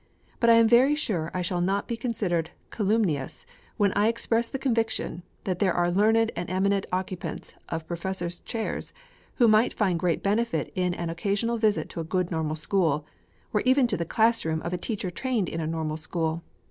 But I am very sure I shall not be considered calumnious, when I express the conviction, that there are learned and eminent occupants of Professors' chairs, who might find great benefit in an occasional visit to a good Normal School, or even to the class room of a teacher trained in a Normal School.